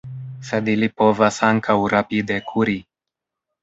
Sed ili povas ankaŭ rapide kuri.